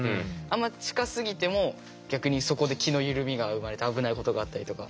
あんま近すぎても逆にそこで気の緩みが生まれて危ないことがあったりとか。